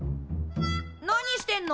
何してんの？